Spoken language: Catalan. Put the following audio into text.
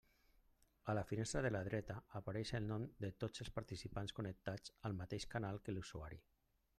A la finestra de la dreta apareix el nom de tots els participants connectats al mateix canal que l'usuari.